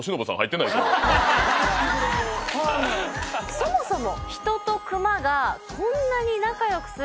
そもそも。